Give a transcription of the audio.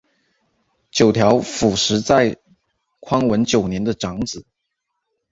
九条辅实在宽文九年的长子。